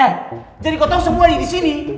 eh jadi kau tau semua yang disini